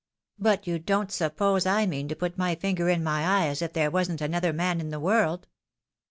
But you don't suppose I mean to put 'my finger in my eye as if there wasn't another man in the world